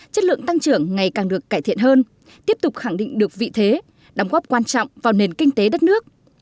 chất lượng tăng trưởng ngày càng được cải thiện hơn tiếp tục khẳng định được vị thế đóng góp quan trọng vào nền kinh tế đất nước